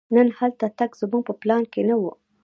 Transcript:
نن هلته تګ زموږ په پلان کې نه و.